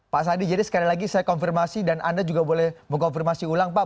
pak sandi jadi sekali lagi saya konfirmasi dan anda juga boleh mengkonfirmasi ulang pak